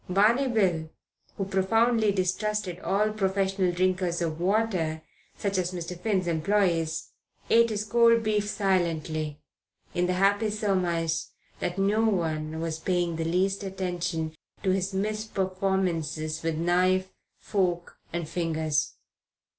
Barney Bill, who profoundly distrusted all professional drinkers of water, such as Mr. Finn's employees, ate his cold beef silently, in the happy surmise that no one was paying the least attention to his misperformances with knife, fork and fingers.